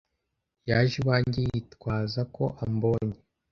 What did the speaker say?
Yaje iwanjye yitwaza ko ambonye.